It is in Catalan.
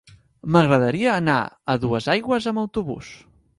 M'agradaria anar a Duesaigües amb autobús.